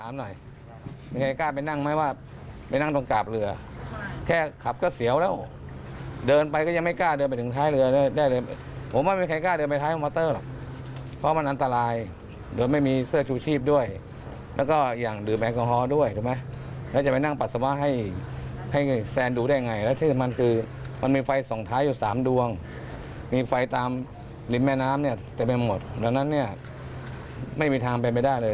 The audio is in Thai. มีไฟตามลิ้มแม่น้ำเต็มไปหมดดังนั้นไม่มีทางเป็นไปได้เลย